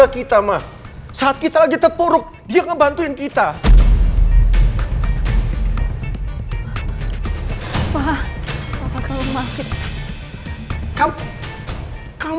sampai jumpa di video selanjutnya